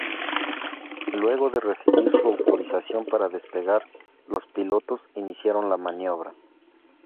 Luego de recibir su autorización para despegar, los pilotos iniciaron la maniobra.